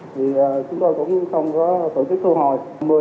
thì chúng tôi cũng không có tổ chức thu hồi